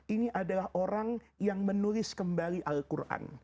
ini adalah orang yang menulis kembali al quran